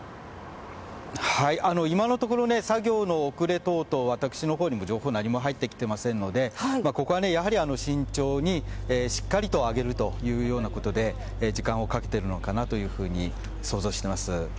今のところ作業の遅れ等々私のところには情報は何も入ってきていませんのでここは、やはり慎重にしっかりと揚げるというようなことで時間をかけているのかなと想像しています。